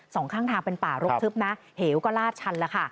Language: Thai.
สองข้างทางเป็นป่ารกทึบนะเหวก็ลาดชันแล้วค่ะ